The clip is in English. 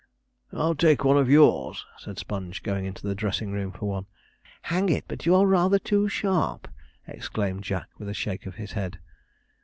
'I'll take one of yours,' said Sponge, going into the dressing room for one. 'Hang it, but you're rather too sharp,' exclaimed Jack, with a shake of his head.